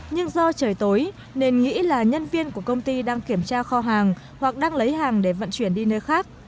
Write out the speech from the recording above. nhưng do trời tối nên nghĩ là nhân viên của công ty đang kiểm tra kho hàng hoặc đang lấy hàng để vận chuyển đi nơi khác